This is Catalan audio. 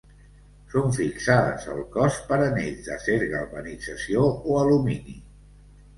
Són fixades al cos per anells d'acer galvanització o alumini.